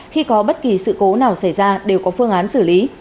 khi có bất kỳ sự cố nào xảy ra đều có phương án xử lý